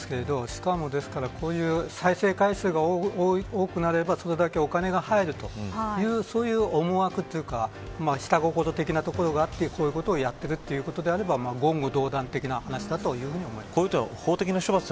しかも、こういう再生回数が多くなればそれだけお金が入るという思惑というか下心的なところがあってこういうことしてるということであれば言語道断的な話だと思います。